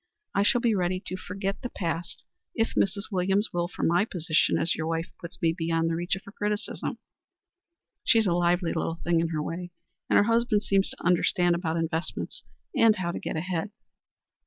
I shall be ready to forget the past if Mrs. Williams will, for my position as your wife puts me beyond the reach of her criticism. She's a lively little thing in her way, and her husband seems to understand about investments and how to get ahead."